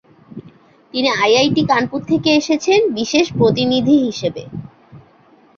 তিনি আইআইটি কানপুর থেকে এসেছেন বিশেষ প্রতিনিধি হিসাবে।